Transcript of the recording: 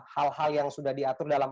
hal hal yang sudah diatur dalam